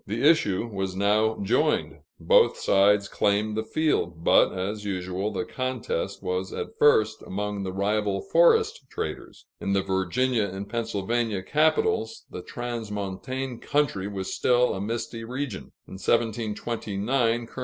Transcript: The issue was now joined; both sides claimed the field, but, as usual, the contest was at first among the rival forest traders. In the Virginia and Pennsylvania capitals, the transmontane country was still a misty region. In 1729, Col.